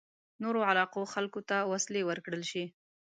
نورو علاقو خلکو ته وسلې ورکړل شي.